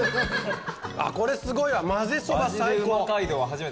これすごいわまぜそば最高。